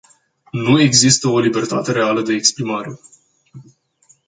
Nu există o libertate reală de exprimare.